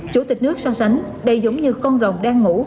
chủ tịch nước so sánh đây giống như con rồng đang ngủ